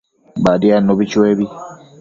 Badiadnubi chuebi